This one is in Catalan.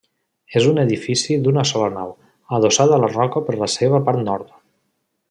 És un edifici d’una sola nau, adossat a la roca per la seva part nord.